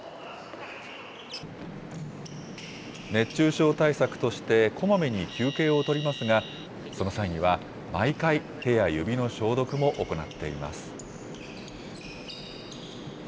熱中症対策としてこまめに休憩を取りますが、その際には毎回、手や指の消毒も行っています。